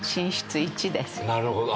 なるほど。